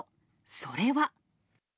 それは。